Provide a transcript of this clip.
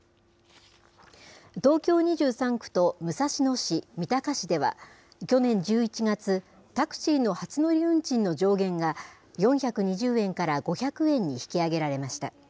東京２３区と武蔵野市、三鷹市では、去年１１月、タクシーの初乗り運賃の上限が、４２０円から５００円に引き上げられました。